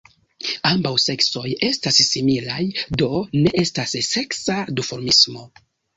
Ambaŭ seksoj estas similaj, do ne estas seksa duformismo.